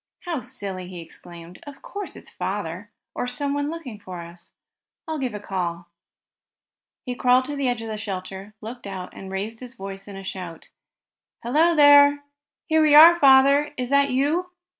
"How silly!" he exclaimed, "Of Course it's father, or someone looking for us. I'll give a call." He crawled to the edge of the shelter, looked out, and raised his voice in a shout: "Hello there! Here we are! Father, is that you?"